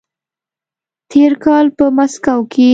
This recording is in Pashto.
تېر کال په مسکو کې